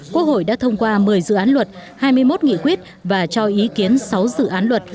quốc hội đã thông qua một mươi dự án luật hai mươi một nghị quyết và cho ý kiến sáu dự án luật